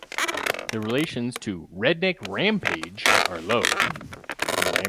The relations to "Redneck Rampage" are low.